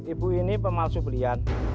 ibu ini pemalsu belian